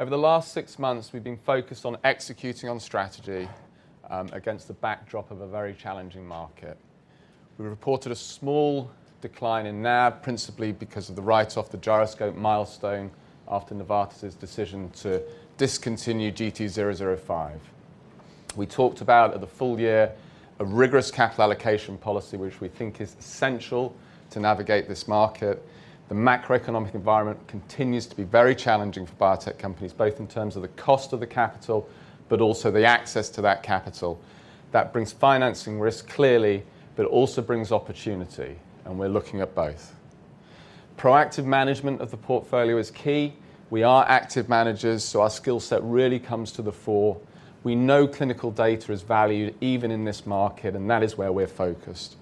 Over the last six months, we've been focused on executing on strategy, against the backdrop of a very challenging market. We reported a small decline in NAV, principally because of the write-off the Gyroscope milestone after Novartis's decision to discontinue GT005. We talked about, at the full year, a rigorous capital allocation policy, which we think is essential to navigate this market. The macroeconomic environment continues to be very challenging for biotech companies, both in terms of the cost of the capital, but also the access to that capital. That brings financing risk clearly, but it also brings opportunity, and we're looking at both. Proactive management of the portfolio is key. We are active managers, so our skill set really comes to the fore. We know clinical data is valued even in this market, and that is where we're focused.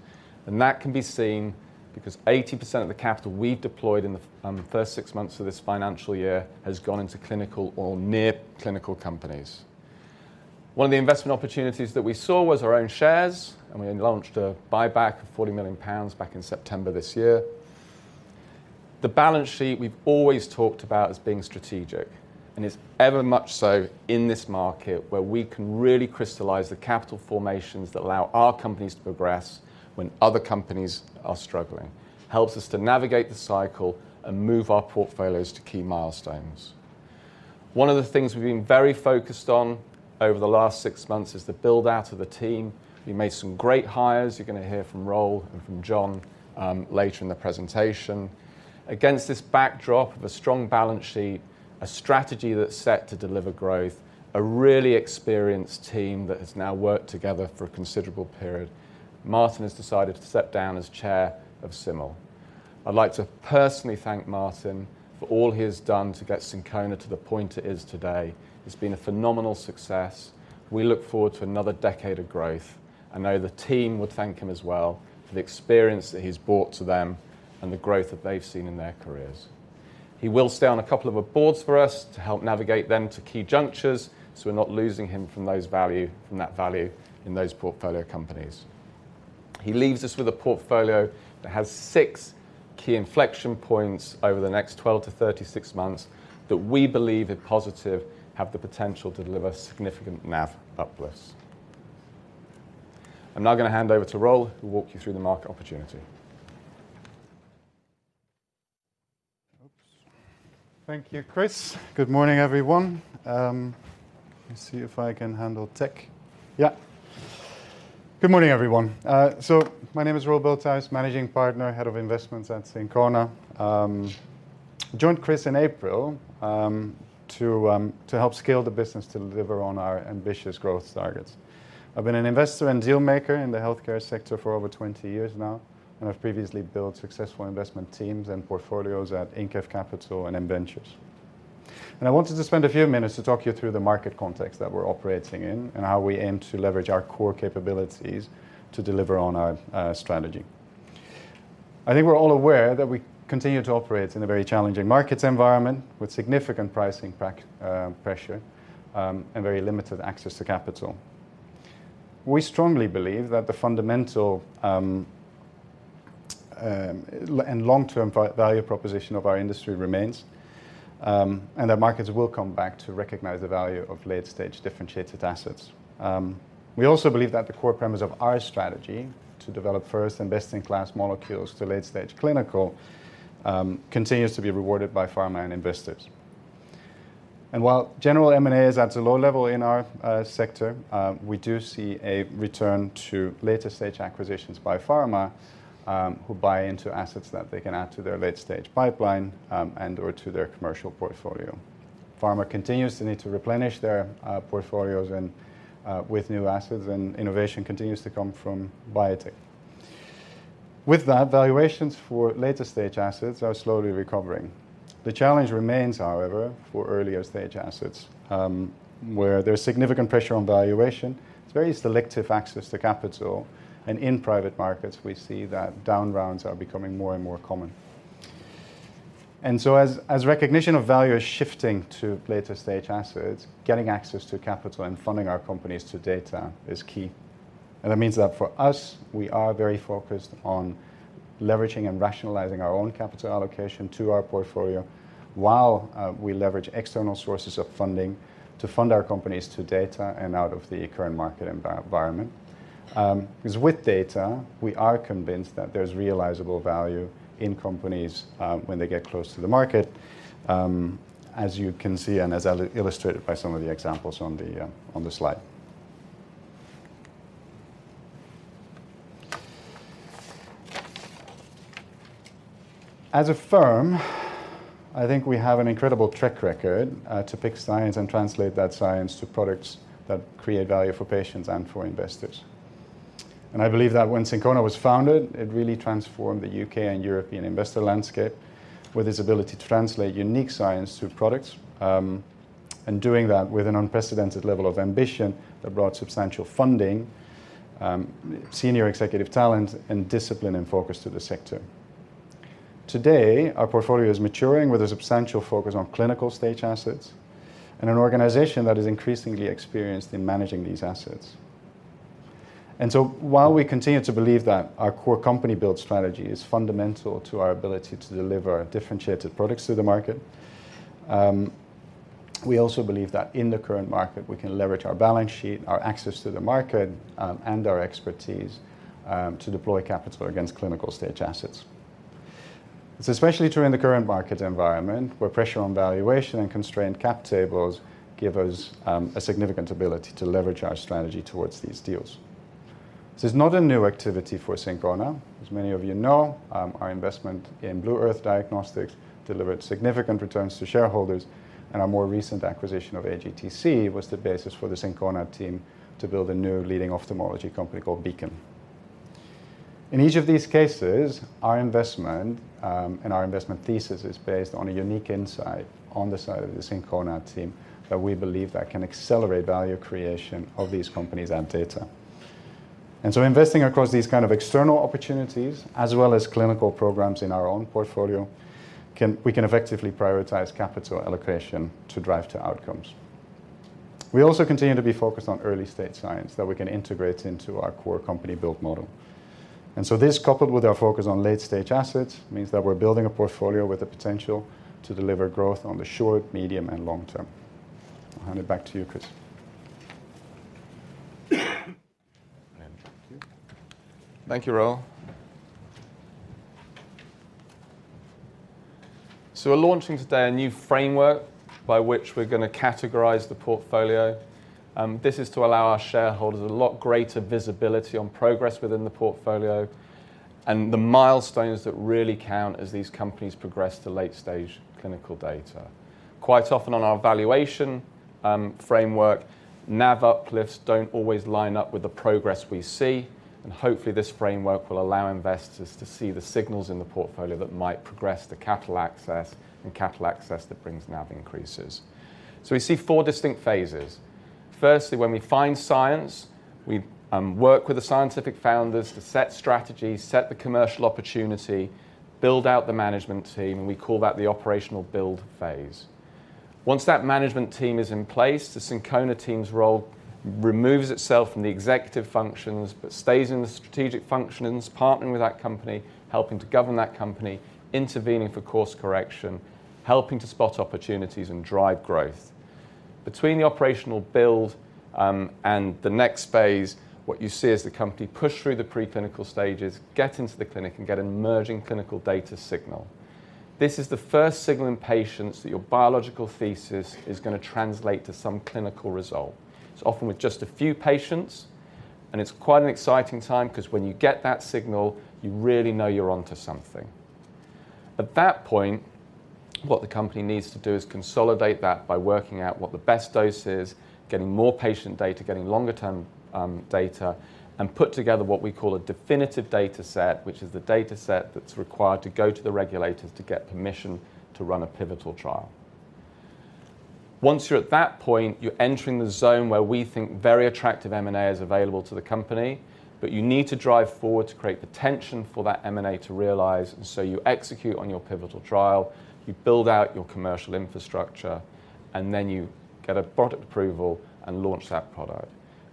That can be seen because 80% of the capital we've deployed in the first six months of this financial year has gone into clinical or near clinical companies. One of the investment opportunities that we saw was our own shares, and we launched a buyback of GBP 40 million back in September this year. The balance sheet we've always talked about as being strategic, and it's ever much so in this market, where we can really crystallize the capital formations that allow our companies to progress when other companies are struggling. Helps us to navigate the cycle and move our portfolios to key milestones. One of the things we've been very focused on over the last six months is the build-out of the team. We made some great hires. You're going to hear from Roel and from John later in the presentation. Against this backdrop of a strong balance sheet, a strategy that's set to deliver growth, a really experienced team that has now worked together for a considerable period, Martin has decided to step down as chair of Syncona. I'd like to personally thank Martin for all he has done to get Syncona to the point it is today. It's been a phenomenal success. We look forward to another decade of growth. I know the team would thank him as well for the experience that he's brought to them and the growth that they've seen in their careers. He will stay on a couple of our boards for us to help navigate them to key junctures, so we're not losing him from that value in those portfolio companies. He leaves us with a portfolio that has six key inflection points over the next 12-36 months that we believe are positive, have the potential to deliver significant NAV uplift. I'm now going to hand over to Roel, who'll walk you through the market opportunity. Oops. Thank you, Chris. Good morning, everyone. Let's see if I can handle tech. Yeah. Good morning, everyone. So my name is Roel Bulthuis, Managing Partner, Head of Investments at Syncona. I joined Chris in April to help scale the business to deliver on our ambitious growth targets. I've been an investor and deal maker in the healthcare sector for over 20 years now, and I've previously built successful investment teams and portfolios at INKEF Capital and M Ventures. I wanted to spend a few minutes to talk you through the market context that we're operating in and how we aim to leverage our core capabilities to deliver on our strategy. I think we're all aware that we continue to operate in a very challenging markets environment with significant pricing pressure and very limited access to capital. We strongly believe that the fundamental and long-term value proposition of our industry remains, and that markets will come back to recognize the value of late-stage differentiated assets. We also believe that the core premise of our strategy, to develop first and best-in-class molecules to late-stage clinical, continues to be rewarded by pharma and investors. And while general M&A is at a low level in our sector, we do see a return to later-stage acquisitions by pharma, who buy into assets that they can add to their late-stage pipeline, and/or to their commercial portfolio. Pharma continues to need to replenish their portfolios and with new assets, and innovation continues to come from biotech. With that, valuations for later-stage assets are slowly recovering. The challenge remains, however, for earlier-stage assets, where there's significant pressure on valuation, it's very selective access to capital, and in private markets, we see that down rounds are becoming more and more common. So as recognition of value is shifting to later-stage assets, getting access to capital and funding our companies to data is key. And that means that for us, we are very focused on leveraging and rationalizing our own capital allocation to our portfolio, while we leverage external sources of funding to fund our companies to data and out of the current market environment. 'Cause with data, we are convinced that there's realizable value in companies, when they get close to the market, as you can see, and as illustrated by some of the examples on the slide. As a firm, I think we have an incredible track record to pick science and translate that science to products that create value for patients and for investors. I believe that when Syncona was founded, it really transformed the U.K. and European investor landscape with its ability to translate unique science to products, and doing that with an unprecedented level of ambition that brought substantial funding, senior executive talent, and discipline and focus to the sector. Today, our portfolio is maturing with a substantial focus on clinical-stage assets and an organization that is increasingly experienced in managing these assets. And so while we continue to believe that our core company build strategy is fundamental to our ability to deliver differentiated products to the market, we also believe that in the current market, we can leverage our balance sheet, our access to the market, and our expertise, to deploy capital against clinical-stage assets. It's especially true in the current market environment, where pressure on valuation and constrained cap tables give us a significant ability to leverage our strategy towards these deals. This is not a new activity for Syncona. As many of you know, our investment in Blue Earth Diagnostics delivered significant returns to shareholders, and our more recent acquisition of AGTC was the basis for the Syncona team to build a new leading ophthalmology company called Beacon. In each of these cases, our investment, and our investment thesis is based on a unique insight on the side of the Syncona team, that we believe that can accelerate value creation of these companies and data. And so investing across these kind of external opportunities, as well as clinical programs in our own portfolio, we can effectively prioritize capital allocation to drive to outcomes. We also continue to be focused on early-stage science that we can integrate into our core company build model. And so this, coupled with our focus on late-stage assets, means that we're building a portfolio with the potential to deliver growth on the short, medium, and long term. I'll hand it back to you, Chris. Thank you, Roel. We're launching today a new framework by which we're going to categorize the portfolio. This is to allow our shareholders a lot greater visibility on progress within the portfolio and the milestones that really count as these companies progress to late-stage clinical data. Quite often on our valuation framework, NAV uplifts don't always line up with the progress we see, and hopefully, this framework will allow investors to see the signals in the portfolio that might progress to capital access, and capital access that brings NAV increases. We see four distinct phases. Firstly, when we find science, we work with the scientific founders to set strategy, set the commercial opportunity, build out the management team, and we call that the operational build phase. Once that management team is in place, the Syncona team's role removes itself from the executive functions, but stays in the strategic functions, partnering with that company, helping to govern that company, intervening for course correction, helping to spot opportunities and drive growth. Between the operational build and the next phase, what you see is the company push through the preclinical stages, get into the clinic, and get an emerging clinical data signal. This is the first signal in patients that your biological thesis is going to translate to some clinical result. It's often with just a few patients, and it's quite an exciting time because when you get that signal, you really know you're on to something. At that point, what the company needs to do is consolidate that by working out what the best dose is, getting more patient data, getting longer-term data, and put together what we call a definitive dataset, which is the dataset that's required to go to the regulators to get permission to run a pivotal trial. Once you're at that point, you're entering the zone where we think very attractive M&A is available to the company, but you need to drive forward to create the tension for that M&A to realize. So you execute on your pivotal trial, you build out your commercial infrastructure, and then you get a product approval and launch that product.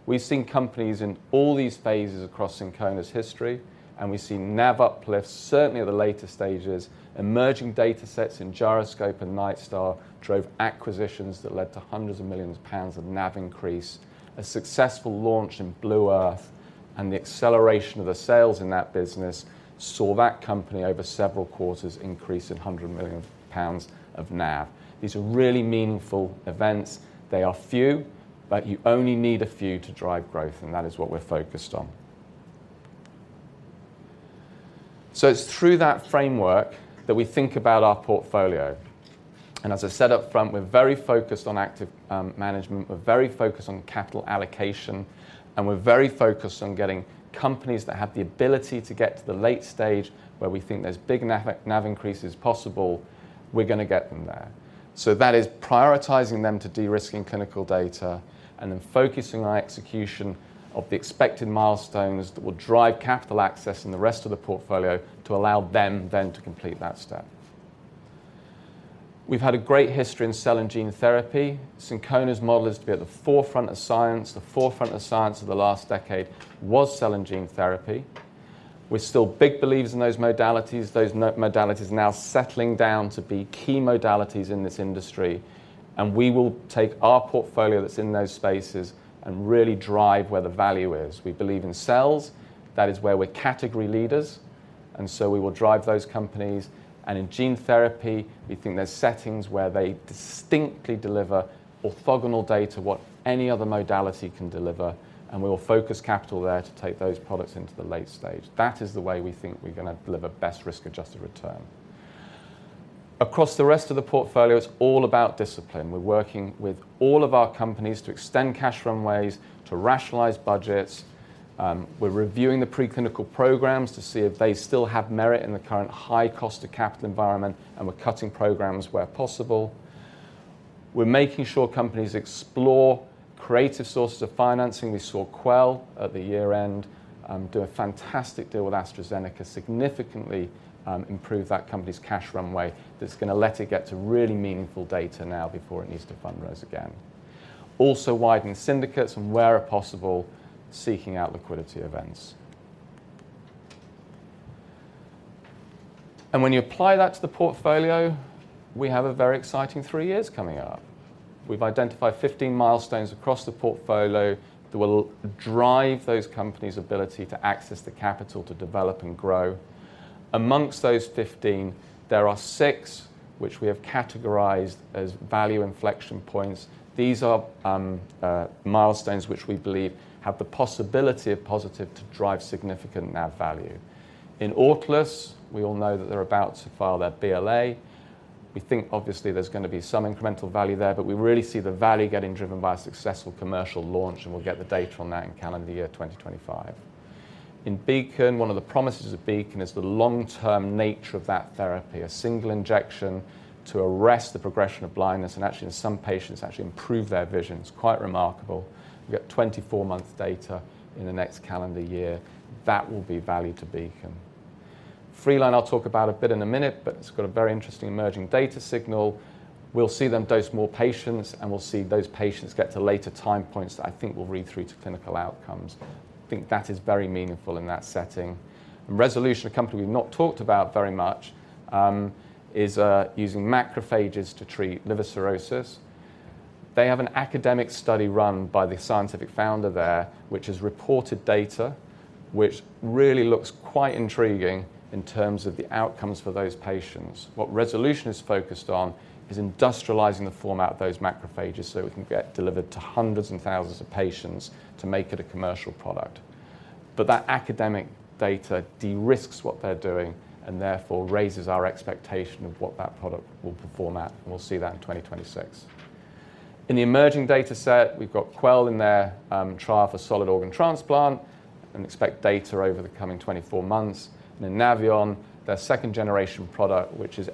We've seen companies in all these phases across Syncona's history, and we've seen NAV uplifts, certainly at the later stages. Emerging datasets in Gyroscope and Nightstar drove acquisitions that led to hundreds of millions of GBP of NAV increase. A successful launch in Blue Earth, and the acceleration of the sales in that business, saw that company, over several quarters, increase in 100 million pounds of NAV. These are really meaningful events. They are few, but you only need a few to drive growth, and that is what we're focused on. So it's through that framework that we think about our portfolio. And as I said up front, we're very focused on active management, we're very focused on capital allocation, and we're very focused on getting companies that have the ability to get to the late stage, where we think there's big NAV increases possible, we're going to get them there. So that is prioritizing them to de-risking clinical data and then focusing our execution of the expected milestones that will drive capital access in the rest of the portfolio to allow them then to complete that step. We've had a great history in cell and gene therapy. Syncona's model is to be at the forefront of science. The forefront of science of the last decade was cell and gene therapy. We're still big believers in those modalities. Those modalities are now settling down to be key modalities in this industry, and we will take our portfolio that's in those spaces and really drive where the value is. We believe in cells. That is where we're category leaders, and so we will drive those companies. In gene therapy, we think there's settings where they distinctly deliver orthogonal data, what any other modality can deliver, and we will focus capital there to take those products into the late stage. That is the way we think we're going to deliver best risk-adjusted return. Across the rest of the portfolio, it's all about discipline. We're working with all of our companies to extend cash runways, to rationalize budgets. We're reviewing the preclinical programs to see if they still have merit in the current high cost of capital environment, and we're cutting programs where possible. We're making sure companies explore creative sources of financing. We saw Quell at the year-end do a fantastic deal with AstraZeneca, significantly improve that company's cash runway. That's gonna let it get to really meaningful data now before it needs to fundraise again. Also, widening syndicates, and where possible, seeking out liquidity events. When you apply that to the portfolio, we have a very exciting 3 years coming up. We've identified 15 milestones across the portfolio that will drive those companies' ability to access the capital to develop and grow. Among those 15, there are 6 which we have categorized as value inflection points. These are milestones which we believe have the possibility of positive to drive significant NAV value. In Autolus, we all know that they're about to file their BLA. We think obviously there's gonna be some incremental value there, but we really see the value getting driven by a successful commercial launch, and we'll get the data on that in calendar year 2025. In Beacon, one of the promises of Beacon is the long-term nature of that therapy, a single injection to arrest the progression of blindness, and actually, in some patients, actually improve their vision. It's quite remarkable. We get 24-month data in the next calendar year. That will be value to Beacon. Freeline, I'll talk about a bit in a minute, but it's got a very interesting emerging data signal. We'll see them dose more patients, and we'll see those patients get to later time points that I think will read through to clinical outcomes. I think that is very meaningful in that setting. Resolution, a company we've not talked about very much, is using macrophages to treat liver cirrhosis. They have an academic study run by the scientific founder there, which is reported data, which really looks quite intriguing in terms of the outcomes for those patients. What Resolution is focused on is industrializing the format of those macrophages so we can get delivered to hundreds and thousands of patients to make it a commercial product. But that academic data de-risks what they're doing and therefore raises our expectation of what that product will perform at, and we'll see that in 2026. In the emerging data set, we've got Quell in there, trial for solid organ transplant, and expect data over the coming 24 months. And then Anaveon, their second-generation product, which is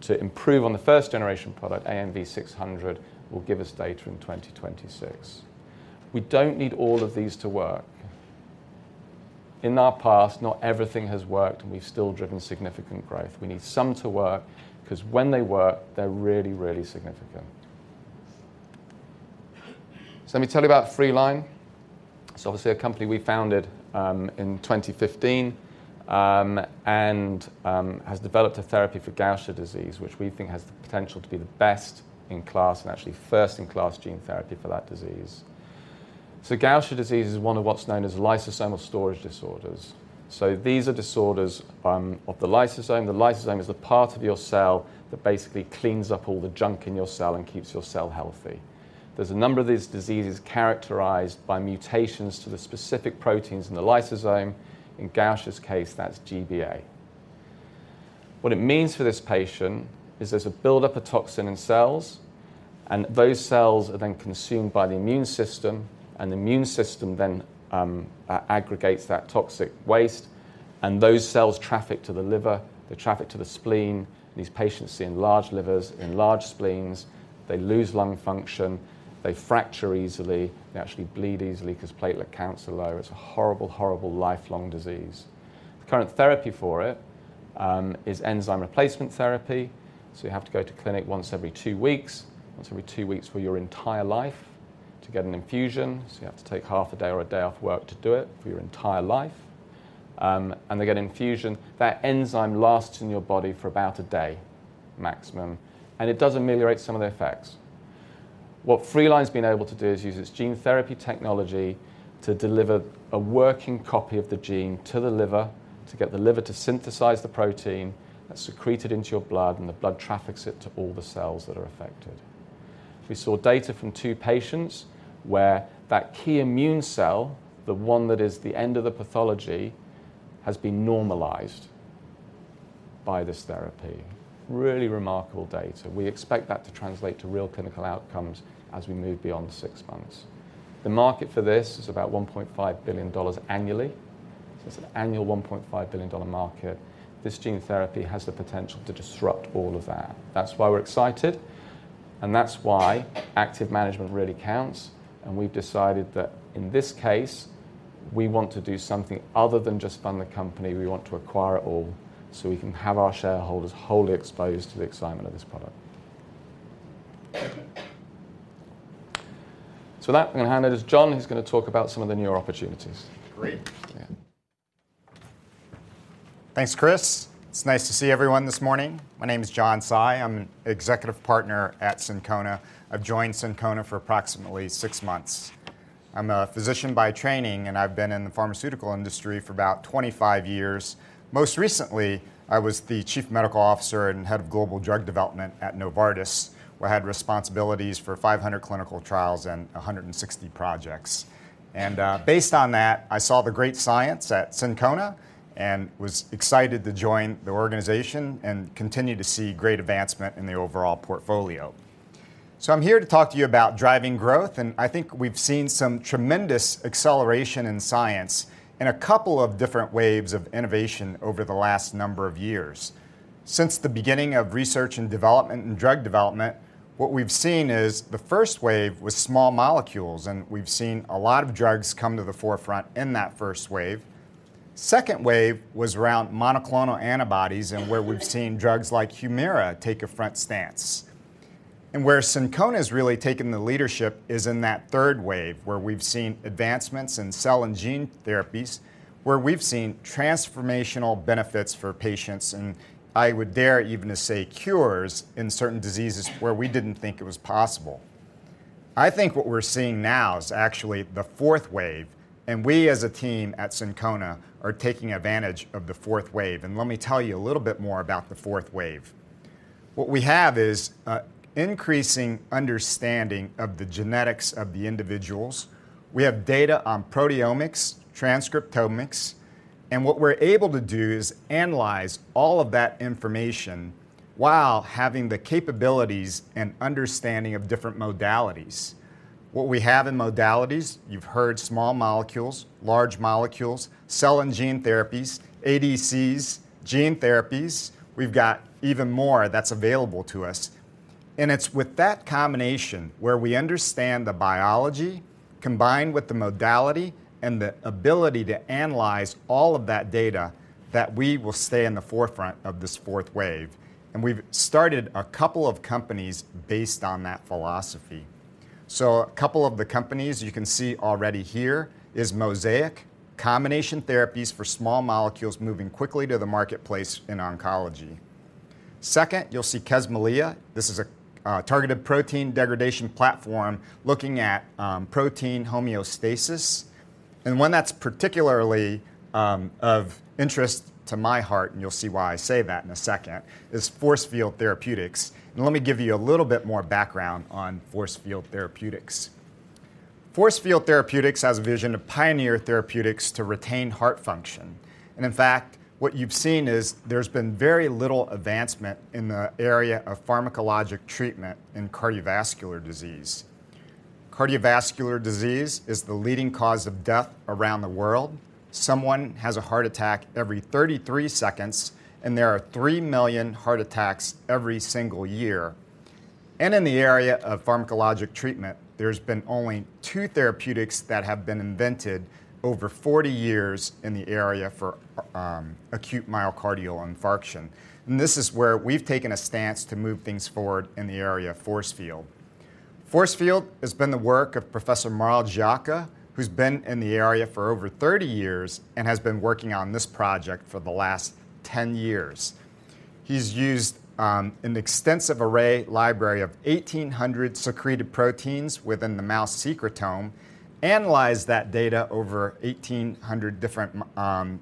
engineered to improve on the first-generation product, AMV600, will give us data in 2026. We don't need all of these to work. In our past, not everything has worked, and we've still driven significant growth. We need some to work, 'cause when they work, they're really, really significant. So let me tell you about Freeline. It's obviously a company we founded in 2015 and has developed a therapy for Gaucher disease, which we think has the potential to be the best-in-class and actually first-in-class gene therapy for that disease. So Gaucher disease is one of what's known as lysosomal storage disorders. So these are disorders of the lysosome. The lysosome is the part of your cell that basically cleans up all the junk in your cell and keeps your cell healthy. There's a number of these diseases characterized by mutations to the specific proteins in the lysosome. In Gaucher's case, that's GBA. What it means for this patient is there's a buildup of toxin in cells, and those cells are then consumed by the immune system, and the immune system then aggregates that toxic waste, and those cells traffic to the liver, they traffic to the spleen. These patients see enlarged livers, enlarged spleens, they lose lung function, they fracture easily, they actually bleed easily 'cause platelet counts are low. It's a horrible, horrible lifelong disease. The current therapy for it is enzyme replacement therapy, so you have to go to clinic once every two weeks, once every two weeks for your entire life to get an infusion. So you have to take half a day or a day off work to do it for your entire life. And they get infusion. That enzyme lasts in your body for about a day, maximum, and it does ameliorate some of the effects. What Freeline's been able to do is use its gene therapy technology to deliver a working copy of the gene to the liver, to get the liver to synthesize the protein that's secreted into your blood, and the blood traffics it to all the cells that are affected. We saw data from two patients where that key immune cell, the one that is the end of the pathology, has been normalized by this therapy. Really remarkable data. We expect that to translate to real clinical outcomes as we move beyond six months. The market for this is about $1.5 billion annually. So it's an annual $1.5 billion market. This gene therapy has the potential to disrupt all of that. That's why we're excited, and that's why active management really counts, and we've decided that in this case, we want to do something other than just fund the company. We want to acquire it all, so we can have our shareholders wholly exposed to the excitement of this product. So with that, I'm going to hand it to John, who's going to talk about some of the newer opportunities. Great. Yeah. Thanks, Chris. It's nice to see everyone this morning. My name is John Tsai. I'm Executive Partner at Syncona. I've joined Syncona for approximately six months. I'm a physician by training, and I've been in the pharmaceutical industry for about 25 years. Most recently, I was the Chief Medical Officer and Head of Global Drug Development at Novartis, where I had responsibilities for 500 clinical trials and 160 projects. And, based on that, I saw the great science at Syncona and was excited to join the organization and continue to see great advancement in the overall portfolio. So I'm here to talk to you about driving growth, and I think we've seen some tremendous acceleration in science in a couple of different waves of innovation over the last number of years. Since the beginning of research and development and drug development. What we've seen is the first wave was small molecules, and we've seen a lot of drugs come to the forefront in that first wave. Second wave was around monoclonal antibodies, and where we've seen drugs like Humira take a front stance. Where Syncona has really taken the leadership is in that third wave, where we've seen advancements in cell and gene therapies, where we've seen transformational benefits for patients, and I would dare even to say cures in certain diseases where we didn't think it was possible. I think what we're seeing now is actually the fourth wave, and we as a team at Syncona are taking advantage of the fourth wave, and let me tell you a little bit more about the fourth wave. What we have is, increasing understanding of the genetics of the individuals. We have data on proteomics, transcriptomics, and what we're able to do is analyze all of that information while having the capabilities and understanding of different modalities. What we have in modalities, you've heard small molecules, large molecules, cell and gene therapies, ADCs, gene therapies. We've got even more that's available to us, and it's with that combination where we understand the biology, combined with the modality and the ability to analyze all of that data, that we will stay in the forefront of this fourth wave, and we've started a couple of companies based on that philosophy. So a couple of the companies you can see already here is Mosaic, combination therapies for small molecules moving quickly to the marketplace in oncology. Second, you'll see Kesmalia. This is a targeted protein degradation platform looking at protein homeostasis, and one that's particularly of interest to my heart, and you'll see why I say that in a second, is Forcefield Therapeutics. Let me give you a little bit more background on Forcefield Therapeutics. Forcefield Therapeutics has a vision to pioneer therapeutics to retain heart function, and in fact, what you've seen is there's been very little advancement in the area of pharmacologic treatment in cardiovascular disease. Cardiovascular disease is the leading cause of death around the world. Someone has a heart attack every 33 seconds, and there are 3 million heart attacks every single year. In the area of pharmacologic treatment, there's been only two therapeutics that have been invented over 40 years in the area for acute myocardial infarction, and this is where we've taken a stance to move things forward in the area of Forcefield. Forcefield has been the work of Professor Mauro Giacca, who's been in the area for over 30 years and has been working on this project for the last 10 years. He's used an extensive array library of 1,800 secreted proteins within the mouse secretome, analyzed that data over 1,800 different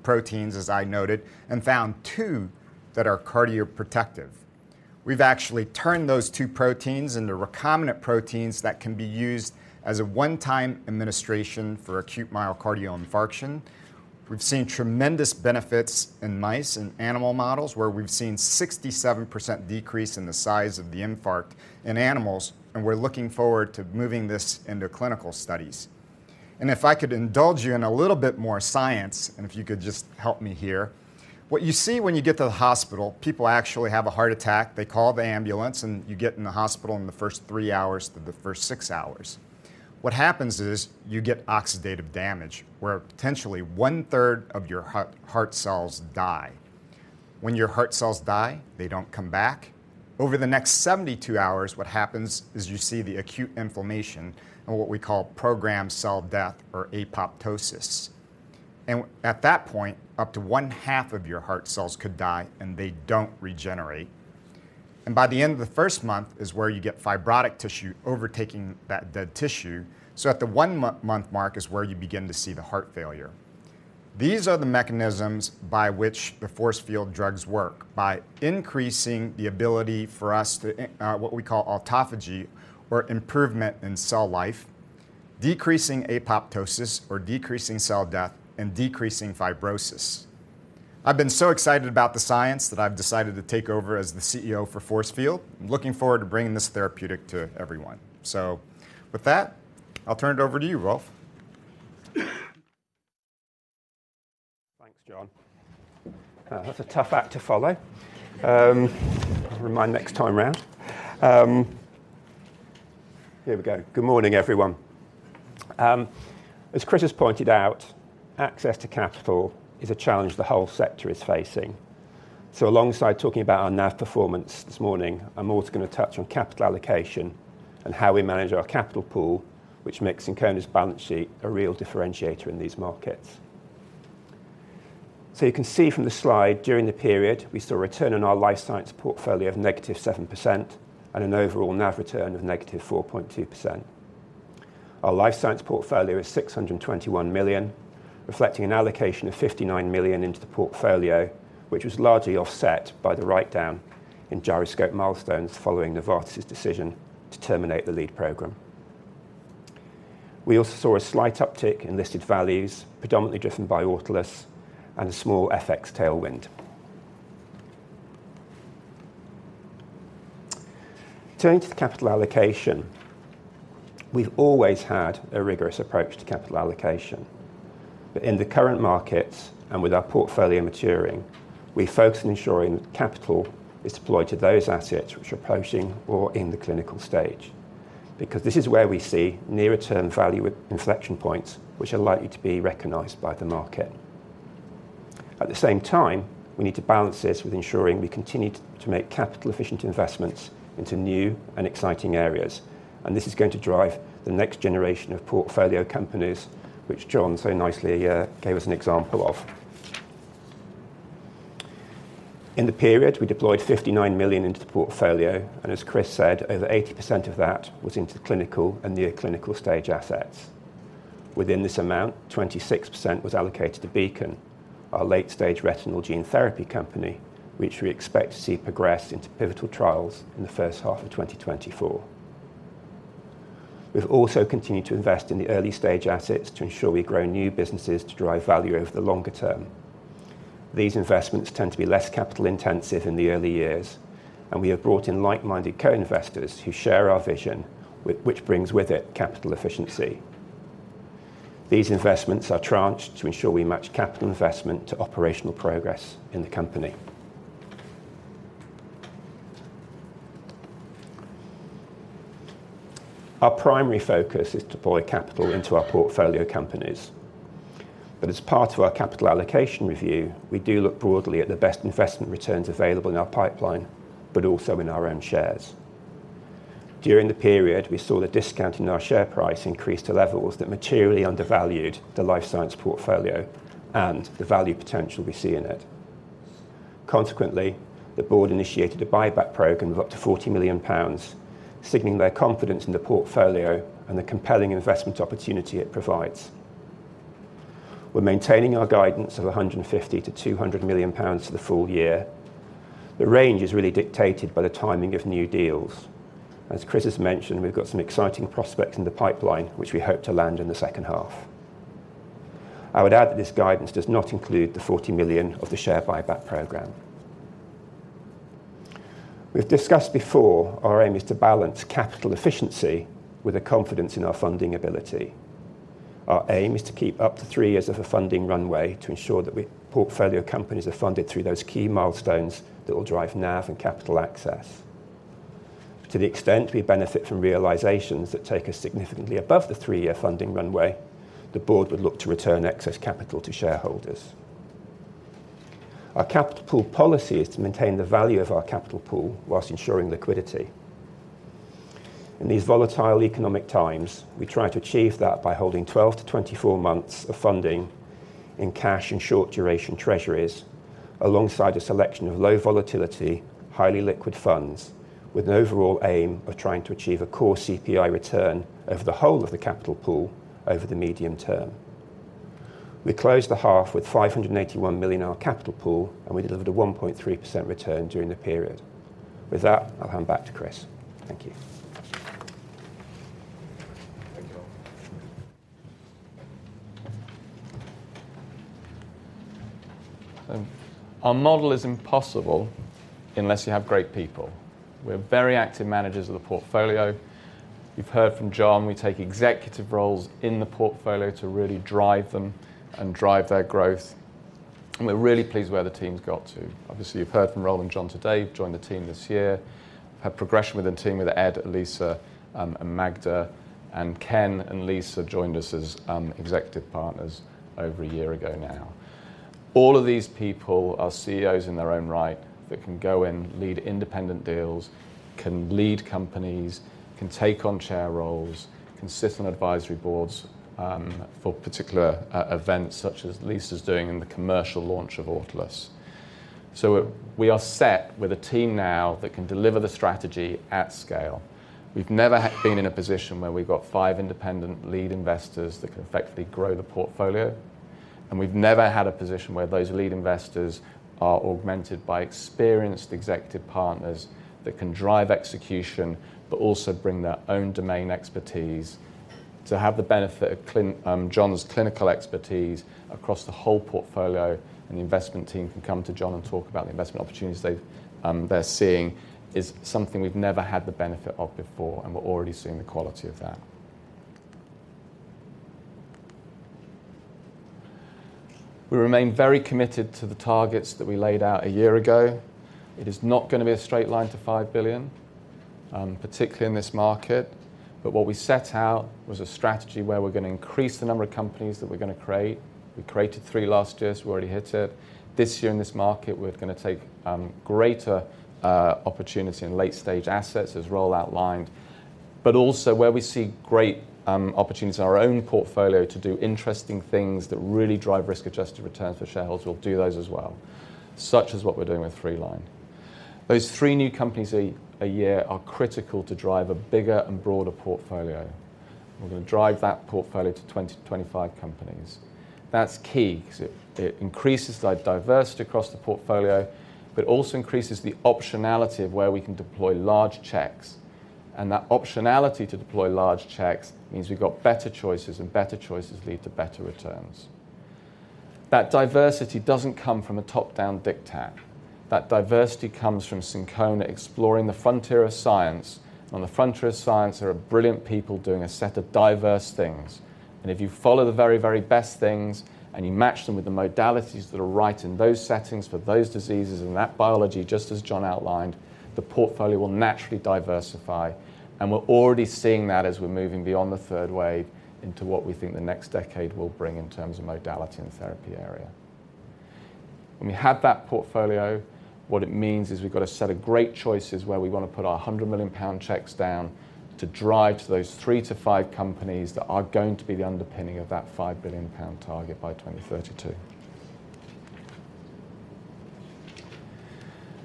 proteins, as I noted, and found two that are cardioprotective. We've actually turned those two proteins into recombinant proteins that can be used as a one-time administration for acute myocardial infarction. We've seen tremendous benefits in mice and animal models, where we've seen 67% decrease in the size of the infarct in animals, and we're looking forward to moving this into clinical studies. If I could indulge you in a little bit more science, and if you could just help me here. What you see when you get to the hospital, people actually have a heart attack, they call the ambulance, and you get in the hospital in the first three hours to the first six hours. What happens is you get oxidative damage, where potentially one-third of your heart, heart cells die. When your heart cells die, they don't come back. Over the next 72 hours, what happens is you see the acute inflammation and what we call programmed cell death or apoptosis. At that point, up to one-half of your heart cells could die, and they don't regenerate. By the end of the first month is where you get fibrotic tissue overtaking that dead tissue. So at the one-month mark is where you begin to see the heart failure. These are the mechanisms by which the Forcefield drugs work, by increasing the ability for us to what we call autophagy or improvement in cell life, decreasing apoptosis or decreasing cell death, and decreasing fibrosis. I've been so excited about the science that I've decided to take over as the CEO for Forcefield. I'm looking forward to bringing this therapeutic to everyone. So with that, I'll turn it over to you, Rolf. Thanks, John. That's a tough act to follow. Remind me next time around. Here we go. Good morning, everyone. As Chris has pointed out, access to capital is a challenge the whole sector is facing. So alongside talking about our NAV performance this morning, I'm also going to touch on capital allocation and how we manage our capital pool, which makes Syncona's balance sheet a real differentiator in these markets. So you can see from the slide, during the period, we saw a return on our life science portfolio of negative 7% and an overall NAV return of negative 4.2%. Our life science portfolio is 621 million, reflecting an allocation of 59 million into the portfolio, which was largely offset by the write-down in Gyroscope milestones following Novartis's decision to terminate the lead program. We also saw a slight uptick in listed values, predominantly driven by Autolus and a small FX tailwind. Turning to the capital allocation, we've always had a rigorous approach to capital allocation. But in the current markets, and with our portfolio maturing, we focus on ensuring that capital is deployed to those assets which are approaching or in the clinical stage, because this is where we see nearer-term value inflection points which are likely to be recognized by the market. At the same time, we need to balance this with ensuring we continue to make capital-efficient investments into new and exciting areas, and this is going to drive the next generation of portfolio companies, which John so nicely gave us an example of. In the period, we deployed 59 million into the portfolio, and as Chris said, over 80% of that was into clinical and near-clinical stage assets. Within this amount, 26% was allocated to Beacon, our late-stage retinal gene therapy company, which we expect to see progress into pivotal trials in the H1 of 2024. We've also continued to invest in the early-stage assets to ensure we grow new businesses to drive value over the longer term. These investments tend to be less capital intensive in the early years, and we have brought in like-minded co-investors who share our vision, which brings with it capital efficiency. These investments are tranched to ensure we match capital investment to operational progress in the company. Our primary focus is to deploy capital into our portfolio companies. But as part of our capital allocation review, we do look broadly at the best investment returns available in our pipeline, but also in our own shares. During the period, we saw the discount in our share price increase to levels that materially undervalued the life science portfolio and the value potential we see in it. Consequently, the board initiated a buyback program of up to 40 million pounds, signaling their confidence in the portfolio and the compelling investment opportunity it provides. We're maintaining our guidance of 150 million-200 million pounds for the full year. The range is really dictated by the timing of new deals. As Chris has mentioned, we've got some exciting prospects in the pipeline, which we hope to land in the second half. I would add that this guidance does not include the 40 million of the share buyback program. We've discussed before, our aim is to balance capital efficiency with a confidence in our funding ability. Our aim is to keep up to three years of a funding runway to ensure that our portfolio companies are funded through those key milestones that will drive NAV and capital access. To the extent we benefit from realisations that take us significantly above the three-year funding runway, the board would look to return excess capital to shareholders. Our capital policy is to maintain the value of our capital pool while ensuring liquidity. In these volatile economic times, we try to achieve that by holding 12-24 months of funding in cash and short-duration treasuries, alongside a selection of low volatility, highly liquid funds, with an overall aim of trying to achieve a core CPI return over the whole of the capital pool over the medium term. We closed the half with 581 million in our capital pool, and we delivered a 1.3% return during the period. With that, I'll hand back to Chris. Thank you. Thank you. Our model is impossible unless you have great people. We're very active managers of the portfolio. You've heard from John, we take executive roles in the portfolio to really drive them and drive their growth, and we're really pleased where the team's got to. Obviously, you've heard from Rol and John today, who've joined the team this year. We've had progression within the team with Ed, Lisa, and Magda, and Ken and Lisa joined us as executive partners over a year ago now. All of these people are CEOs in their own right that can go in, lead independent deals, can lead companies, can take on chair roles, can sit on advisory boards for particular events such as Lisa's doing in the commercial launch of Autolus. So we are set with a team now that can deliver the strategy at scale. We've never been in a position where we've got 5 independent lead investors that can effectively grow the portfolio, and we've never had a position where those lead investors are augmented by experienced executive partners that can drive execution, but also bring their own domain expertise. To have the benefit of John's clinical expertise across the whole portfolio, and the investment team can come to John and talk about the investment opportunities they've, they're seeing, is something we've never had the benefit of before, and we're already seeing the quality of that. We remain very committed to the targets that we laid out a year ago. It is not going to be a straight line to 5 billion, particularly in this market, but what we set out was a strategy where we're going to increase the number of companies that we're going to create. We created three last year, so we already hit it. This year, in this market, we're going to take greater opportunity in late-stage assets, as Roel outlined. But also, where we see great opportunities in our own portfolio to do interesting things that really drive risk-adjusted returns for shareholders, we'll do those as well, such as what we're doing with Freeline. Those three new companies a year are critical to drive a bigger and broader portfolio. We're going to drive that portfolio to 20-25 companies. That's key because it increases the diversity across the portfolio, but also increases the optionality of where we can deploy large checks. And that optionality to deploy large checks means we've got better choices, and better choices lead to better returns. That diversity doesn't come from a top-down diktat. That diversity comes from Syncona exploring the frontier of science. On the frontier of science, there are brilliant people doing a set of diverse things, and if you follow the very, very best things, and you match them with the modalities that are right in those settings for those diseases and that biology, just as John outlined, the portfolio will naturally diversify. And we're already seeing that as we're moving beyond the third wave into what we think the next decade will bring in terms of modality and therapy area. When we have that portfolio, what it means is we've got a set of great choices where we want to put our 100 million pound checks down to drive to those three to five companies that are going to be the underpinning of that 5 billion pound target by 2032.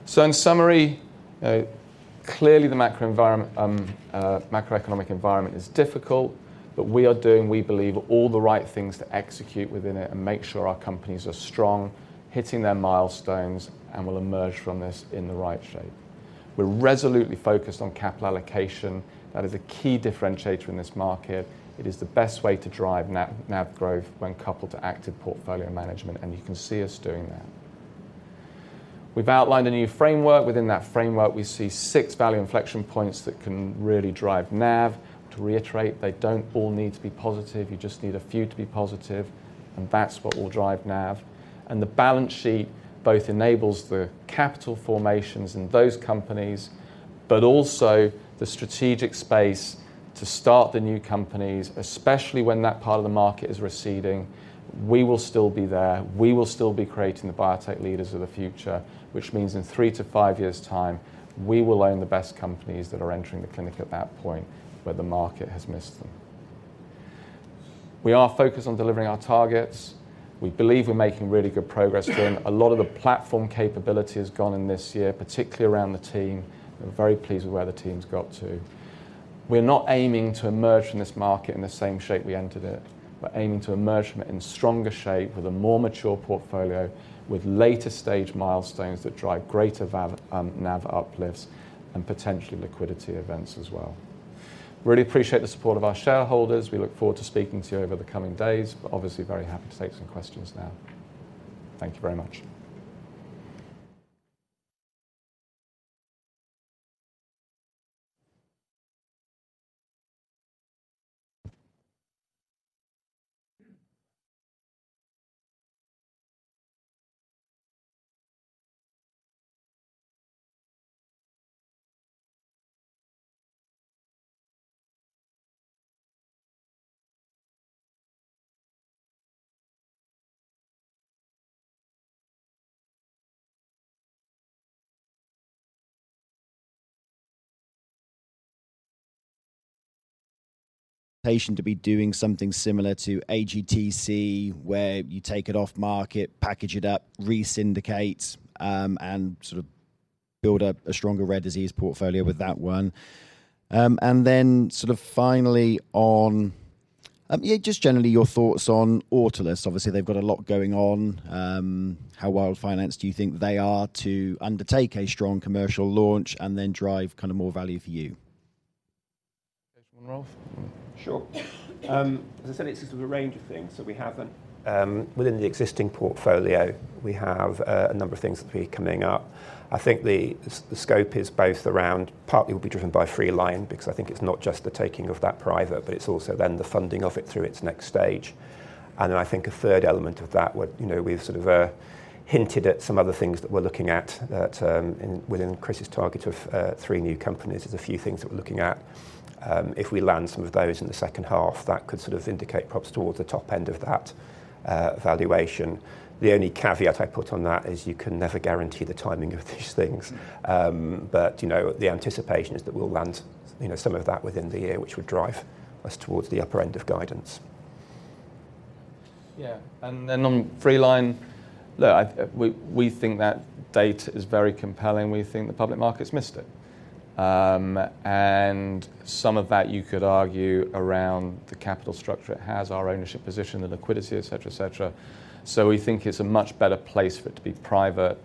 So in summary, clearly the macro environment, macroeconomic environment is difficult, but we are doing, we believe, all the right things to execute within it and make sure our companies are strong, hitting their milestones, and will emerge from this in the right shape. We're resolutely focused on capital allocation. That is a key differentiator in this market. It is the best way to drive NAV growth when coupled to active portfolio management, and you can see us doing that. We've outlined a new framework. Within that framework, we see six value inflection points that can really drive NAV. To reiterate, they don't all need to be positive. You just need a few to be positive, and that's what will drive NAV. The balance sheet both enables the capital formations in those companies, but also the strategic space to start the new companies, especially when that part of the market is receding. We will still be there. We will still be creating the biotech leaders of the future, which means in 3-5 years' time, we will own the best companies that are entering the clinic at that point, where the market has missed them. We are focused on delivering our targets. We believe we're making really good progress again. A lot of the platform capability has gone in this year, particularly around the team. We're very pleased with where the team's got to. We're not aiming to emerge from this market in the same shape we entered it. We're aiming to emerge from it in stronger shape with a more mature portfolio, with later-stage milestones that drive greater value NAV uplifts and potentially liquidity events as well. Really appreciate the support of our shareholders. We look forward to speaking to you over the coming days, but obviously very happy to take some questions now. Thank you very much. To be doing something similar to AGTC, where you take it off market, package it up, re-syndicate, and sort of build up a stronger rare disease portfolio with that one? And then sort of finally, on, yeah, just generally your thoughts on Autolus. Obviously, they've got a lot going on. How well financed do you think they are to undertake a strong commercial launch and then drive kind of more value for you? Sure. As I said, it's sort of a range of things. So we have them within the existing portfolio, we have a number of things that'll be coming up. I think the scope is both around, partly will be driven by Freeline, because I think it's not just the taking of that private, but it's also then the funding of it through its next stage. And then I think a third element of that would, you know, we've sort of hinted at some other things that we're looking at, that within Chris's target of three new companies, there's a few things that we're looking at. If we land some of those in the second half, that could sort of indicate perhaps towards the top end of that valuation. The only caveat I put on that is you can never guarantee the timing of these things. But, you know, the anticipation is that we'll land, you know, some of that within the year, which would drive us towards the upper end of guidance. Yeah. And then on Freeline, look, we think that data is very compelling. We think the public market's missed it. And some of that, you could argue, around the capital structure, it has our ownership position and liquidity, et cetera, et cetera. So we think it's a much better place for it to be private,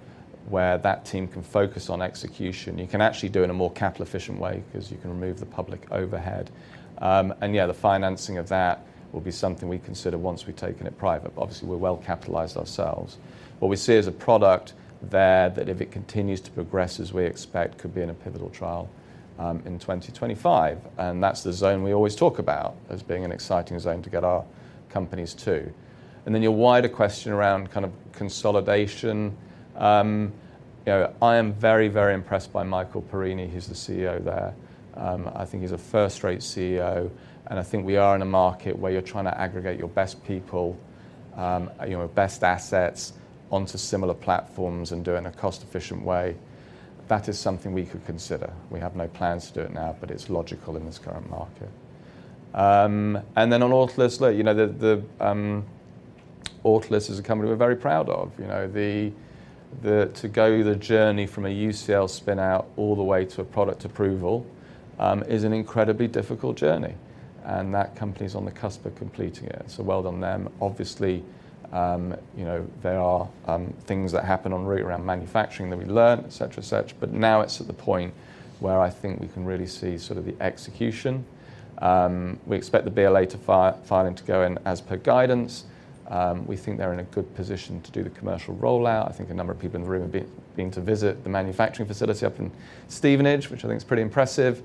where that team can focus on execution. You can actually do it in a more capital-efficient way because you can remove the public overhead. And yeah, the financing of that will be something we consider once we've taken it private. But obviously, we're well-capitalized ourselves. What we see as a product there, that if it continues to progress as we expect, could be in a pivotal trial in 2025, and that's the zone we always talk about as being an exciting zone to get our companies to. Then your wider question around kind of consolidation. You know, I am very, very impressed by Michael Perini, who's the CEO there. I think he's a first-rate CEO, and I think we are in a market where you're trying to aggregate your best people, you know, best assets onto similar platforms and do it in a cost-efficient way. That is something we could consider. We have no plans to do it now, but it's logical in this current market. And then on Autolus, look, you know, Autolus is a company we're very proud of. You know, to go the journey from a UCL spin-out all the way to a product approval is an incredibly difficult journey, and that company's on the cusp of completing it, so well done them. Obviously, you know, there are things that happen en route around manufacturing that we learn, et cetera, et cetera. But now it's at the point where I think we can really see sort of the execution. We expect the BLA filing to go in as per guidance. We think they're in a good position to do the commercial rollout. I think a number of people in the room have been to visit the manufacturing facility up in Stevenage, which I think is pretty impressive.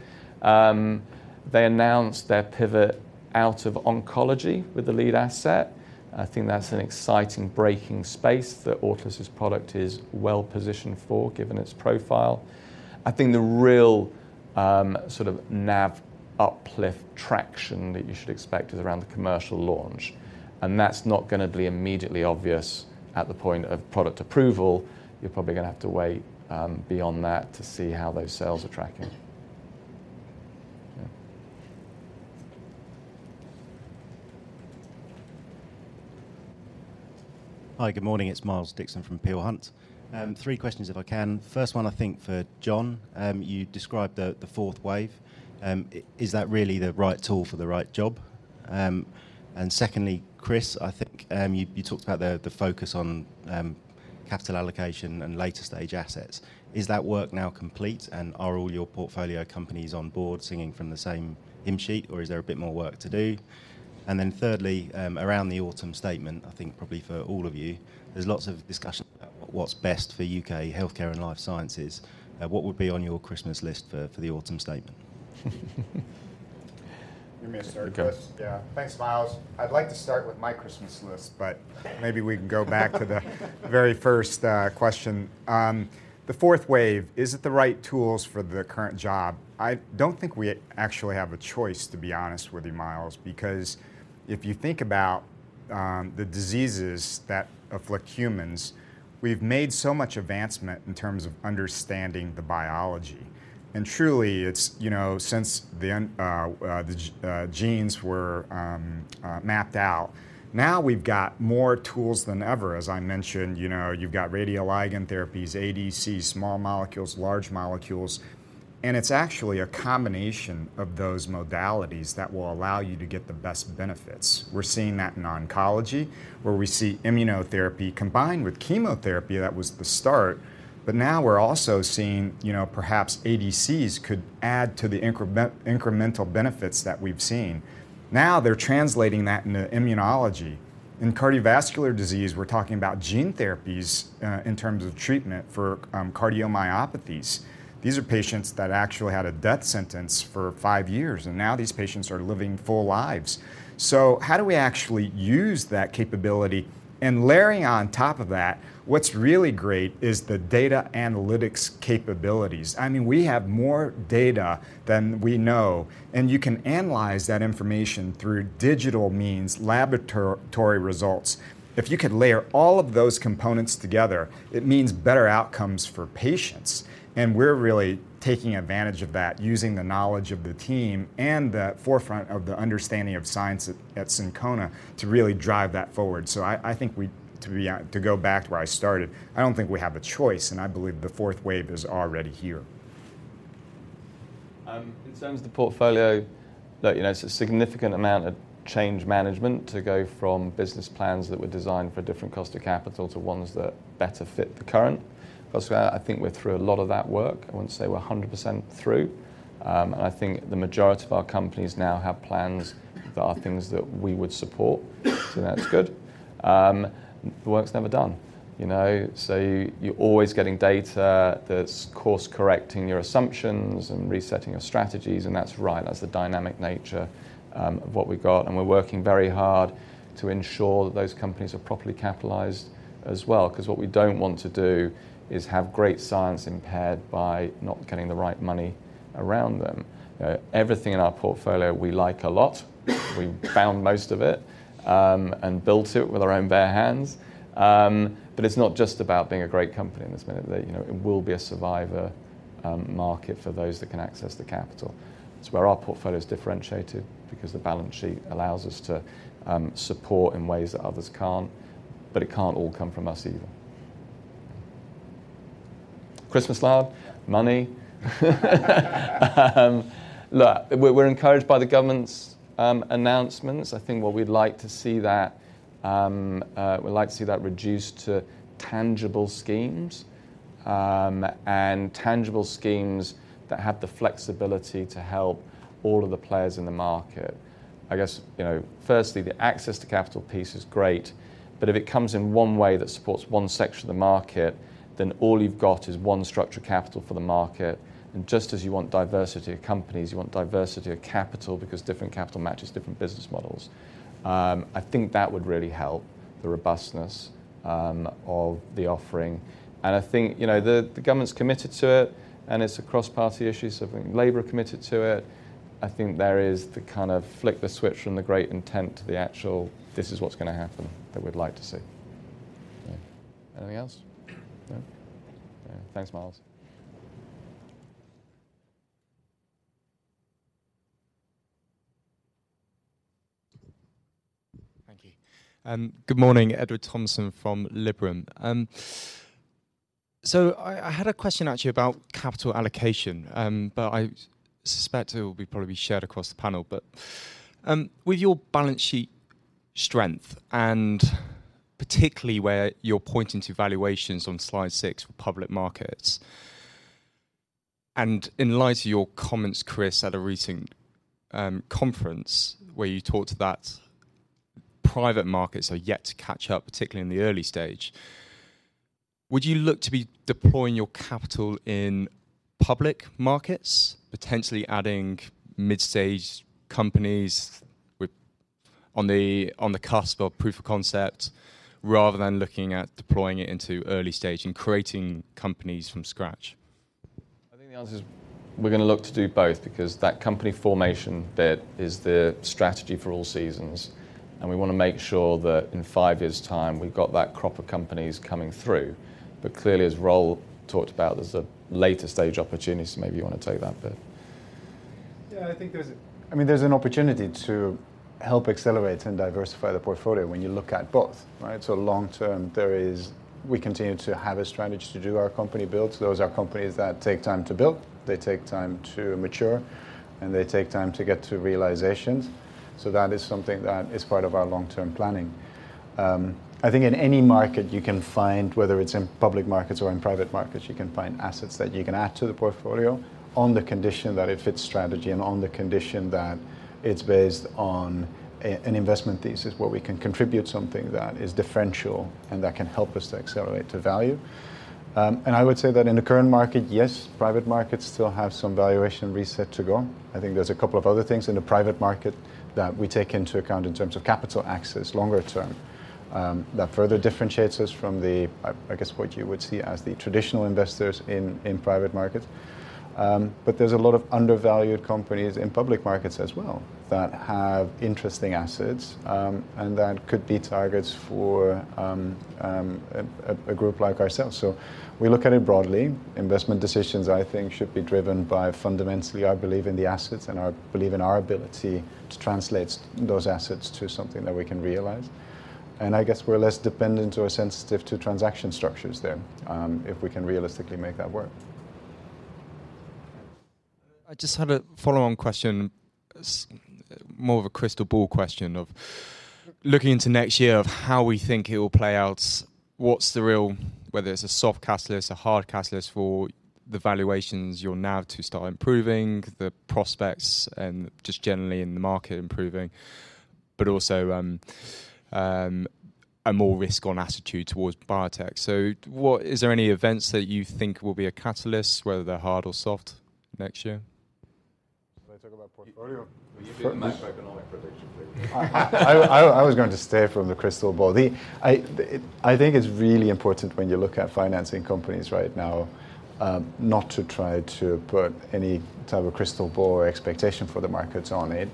They announced their pivot out of oncology with the lead asset. I think that's an exciting breaking space that Autolus's product is well positioned for, given its profile. I think the real, sort of NAV uplift traction that you should expect is around the commercial launch, and that's not gonna be immediately obvious at the point of product approval. You're probably gonna have to wait, beyond that to see how those sales are tracking. Yeah. Hi, good morning. It's Miles Dixon from Peel Hunt. Three questions, if I can. First one, I think for John. You described the fourth wave. Is that really the right tool for the right job? And secondly, Chris, I think you talked about the focus on capital allocation and later-stage assets. Is that work now complete, and are all your portfolio companies on board singing from the same hymn sheet, or is there a bit more work to do? And then thirdly, around the Autumn Statement, I think probably for all of you, there's lots of discussion about what's best for U.K. healthcare and life sciences. What would be on your Christmas list for the Autumn Statement? You may start, Chris. Okay. Yeah. Thanks, Miles. I'd like to start with my Christmas list, but maybe we can go back to the very first question. The fourth wave, is it the right tools for the current job? I don't think we actually have a choice, to be honest with you, Miles, because if you think about the diseases that afflict humans, we've made so much advancement in terms of understanding the biology. And truly, it's, you know, since the end, the genes were mapped out, now we've got more tools than ever. As I mentioned, you know, you've got radioligand therapies, ADCs, small molecules, large molecules, and it's actually a combination of those modalities that will allow you to get the best benefits. We're seeing that in oncology, where we see immunotherapy combined with chemotherapy. That was the start, but now we're also seeing, you know, perhaps ADCs could add to the incremental benefits that we've seen. Now they're translating that into immunology. In cardiovascular disease, we're talking about gene therapies in terms of treatment for cardiomyopathies. These are patients that actually had a death sentence for five years, and now these patients are living full lives. So how do we actually use that capability? And layering on top of that, what's really great is the data analytics capabilities. I mean, we have more data than we know, and you can analyze that information through digital means, laboratory results. If you could layer all of those components together, it means better outcomes for patients, and we're really taking advantage of that, using the knowledge of the team and the forefront of the understanding of science at Syncona to really drive that forward. So I think to go back to where I started, I don't think we have a choice, and I believe the fourth wave is already here. In terms of the portfolio, look, you know, it's a significant amount of change management to go from business plans that were designed for a different cost of capital to ones that better fit the current. Also, I think we're through a lot of that work. I wouldn't say we're 100% through. I think the majority of our companies now have plans that are things that we would support. So that's good. The work's never done, you know? So you're always getting data that's course-correcting your assumptions and resetting your strategies, and that's right. That's the dynamic nature of what we've got, and we're working very hard to ensure that those companies are properly capitalized as well, 'cause what we don't want to do is have great science impaired by not getting the right money around them. Everything in our portfolio, we like a lot. We found most of it and built it with our own bare hands. But it's not just about being a great company in this minute. You know, it will be a survivor market for those that can access the capital. It's where our portfolio's differentiated because the balance sheet allows us to support in ways that others can't. But it can't all come from us either. Christmas lab? Money. Look, we're encouraged by the government's announcements. I think what we'd like to see that we'd like to see that reduced to tangible schemes and tangible schemes that have the flexibility to help all of the players in the market. I guess, you know, firstly, the access to capital piece is great, but if it comes in one way that supports one section of the market, then all you've got is one structure capital for the market. Just as you want diversity of companies, you want diversity of capital because different capital matches different business models. I think that would really help the robustness of the offering, and I think, you know, the government's committed to it, and it's a cross-party issue, so I think Labour are committed to it. I think there is the kind of flick the switch from the great intent to the actual, "This is what's gonna happen," that we'd like to see. Yeah. Anything else? No? Yeah. Thanks, Miles. Thank you. Good morning, Edward Thomason from Liberum. So I had a question actually about capital allocation, but I suspect it will probably be shared across the panel. But, with your balance sheet strength, and particularly where you're pointing to valuations on Slide 6 for public markets, and in light of your comments, Chris, at a recent conference, where you talked that private markets are yet to catch up, particularly in the early stage, would you look to be deploying your capital in public markets, potentially adding mid-stage companies on the cusp of proof of concept, rather than looking at deploying it into early stage and creating companies from scratch? I think the answer is we're gonna look to do both, because that company formation bit is the strategy for all seasons, and we want to make sure that in five years' time we've got that crop of companies coming through. But clearly, as Roel talked about, there's a later stage opportunity, so maybe you want to take that bit. Yeah, I think there's, I mean, there's an opportunity to help accelerate and diversify the portfolio when you look at both, right? So long term, there is. We continue to have a strategy to do our company builds. Those are companies that take time to build, they take time to mature, and they take time to get to realizations. So that is something that is part of our long-term planning. I think in any market you can find, whether it's in public markets or in private markets, you can find assets that you can add to the portfolio on the condition that it fits strategy and on the condition that it's based on a, an investment thesis where we can contribute something that is differential and that can help us to accelerate the value. I would say that in the current market, yes, private markets still have some valuation reset to go. I think there's a couple of other things in the private market that we take into account in terms of capital access, longer term, that further differentiates us from the, I guess, what you would see as the traditional investors in private markets. But there's a lot of undervalued companies in public markets as well that have interesting assets, and that could be targets for a group like ourselves. So we look at it broadly. Investment decisions, I think, should be driven by fundamentally our belief in the assets and our belief in our ability to translate those assets to something that we can realize. I guess we're less dependent or sensitive to transaction structures than if we can realistically make that work. I just had a follow-on question, more of a crystal ball question of looking into next year, of how we think it will play out. What's the real, whether it's a soft catalyst, a hard catalyst, for the valuations you're now to start improving, the prospects and just generally in the market improving, but also, a more risk-on attitude towards biotech. So what, is there any events that you think will be a catalyst, whether they're hard or soft, next year? Should I talk about portfolio? You do the macro-economic prediction, please. I was going to steer clear of the crystal ball. I think it's really important when you look at financing companies right now, not to try to put any type of crystal ball or expectation for the markets on it.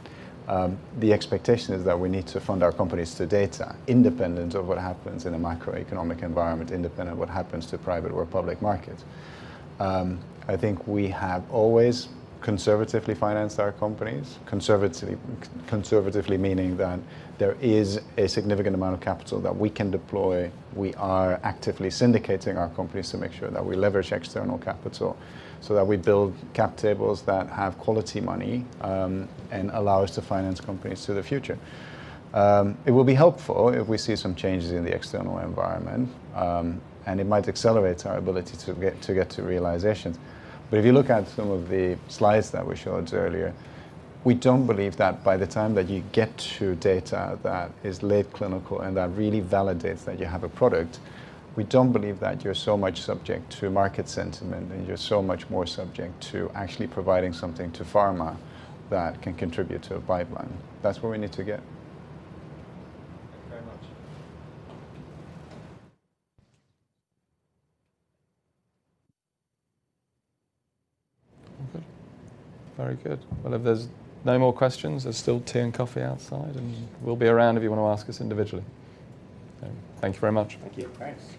The expectation is that we need to fund our companies to data, independent of what happens in a macroeconomic environment, independent of what happens to private or public markets. I think we have always conservatively financed our companies. Conservatively, conservatively meaning that there is a significant amount of capital that we can deploy. We are actively syndicating our companies to make sure that we leverage external capital, so that we build cap tables that have quality money, and allow us to finance companies to the future. It will be helpful if we see some changes in the external environment, and it might accelerate our ability to get to realizations. But if you look at some of the slides that we showed earlier, we don't believe that by the time that you get to data that is late clinical and that really validates that you have a product, we don't believe that you're so much subject to market sentiment, and you're so much more subject to actually providing something to pharma that can contribute to a pipeline. That's where we need to get. Thank you very much. Good. Very good. Well, if there's no more questions, there's still tea and coffee outside, and we'll be around if you want to ask us individually. Thank you very much. Thank you. Thanks.